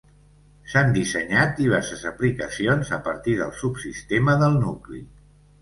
S'han dissenyat diverses aplicacions a partir del subsistema del nucli.